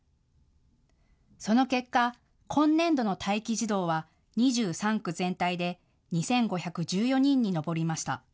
その結果、今年度の待機児童は２３区全体で２５１４人に上りました。